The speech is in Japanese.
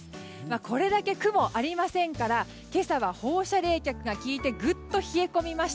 これだけ雲がありませんから今朝は放射冷却がきいてぐっと冷え込みました。